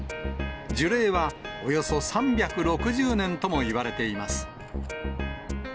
樹齢はおよそ３６０年ともいわれています。